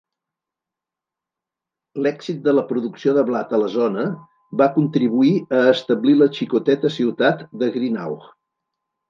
L'èxit de la producció de blat a la zona va contribuir a establir la xicoteta ciutat de Greenough.